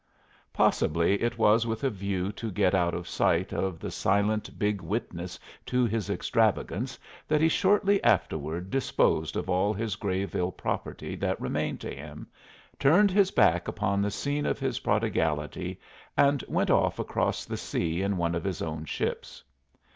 Possibly it was with a view to get out of sight of the silent big witness to his extravagance that he shortly afterward disposed of all his Grayville property that remained to him, turned his back upon the scene of his prodigality and went off across the sea in one of his own ships.